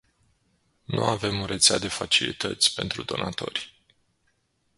Nu avem o rețea de facilități pentru donatori.